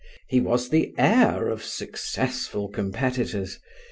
He was the heir of successful competitors.